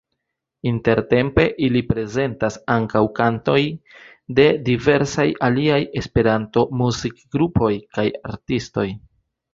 Intertempe ili prezentas ankaŭ kantojn de diversaj aliaj Esperanto-muzikgrupoj kaj -artistoj.